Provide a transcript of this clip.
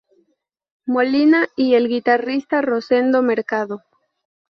Molina y el guitarrista Rosendo Mercado.